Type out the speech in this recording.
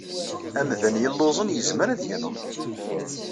Amdan yelluẓen yezmer ad yenɣ.